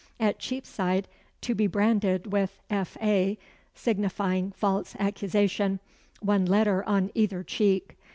At Cheapside to be branded with F.A. (signifying false accusation), one letter on either cheek.